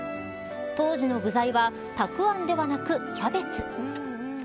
当時の具材はたくあんではなくキャベツ。